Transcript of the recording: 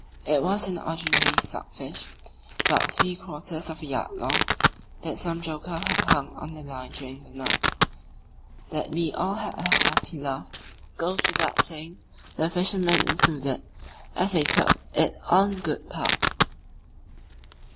It was an ordinary stockfish, about three quarters of a yard long, that some joker had hung on the line during the night. That we all had a hearty laugh goes without saying, the fishermen included, as they took it all in good part.